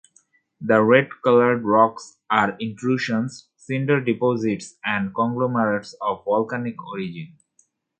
The red colored rocks are intrusions, cinder deposits and conglomerates of volcanic origin.